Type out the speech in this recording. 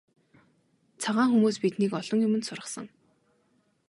Цагаан хүмүүс биднийг олон юманд сургасан.